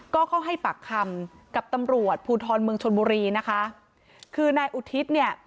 ก็เข้าให้ปากคำกับตำรวจภูทรเมืองชนบุรีนะคะคือนายอุทิศเนี่ย